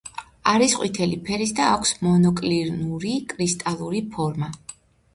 არის ყვითელი ფერის და აქვს მონოკლინური კრისტალური ფორმა.